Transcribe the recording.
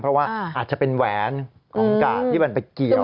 เพราะว่าอาจจะเป็นแหวนของกาดที่มันไปเกี่ยว